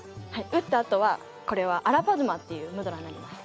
うったあとはこれはアラパドマっていうムドラーになります。